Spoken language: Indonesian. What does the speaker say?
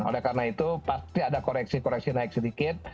oleh karena itu pasti ada koreksi koreksi naik sedikit